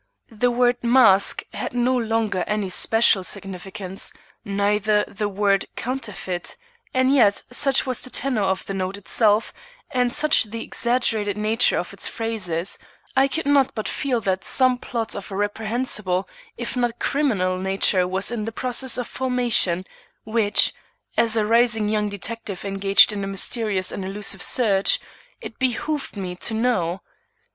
The word mask had no longer any special significance, neither the word counterfeit, and yet such was the tenor of the note itself, and such the exaggerated nature of its phrases, I could not but feel that some plot of a reprehensible if not criminal nature was in the process of formation, which, as a rising young detective engaged in a mysterious and elusive search, it behooved me to know.